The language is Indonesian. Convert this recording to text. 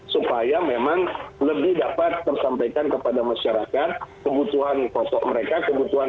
supaya memang lebih dapat tersampaikan kepada masyarakat kebutuhan pokok mereka kebutuhan